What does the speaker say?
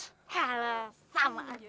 hala sama aja